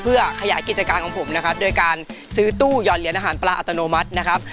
เพื่อขยายกิจการของผมนะครับโดยการซื้อตู้หย่อนเหรียญอาหารปลาอัตโนมัตินะครับ